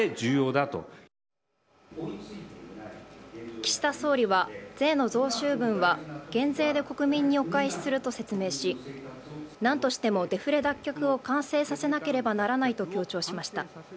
岸田総理は税の増収分は減税で国民にお返しすると説明し何としてもデフレ脱却を完成させなければならないと強調しました。